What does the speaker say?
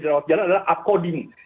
rawat jalan adalah upcoding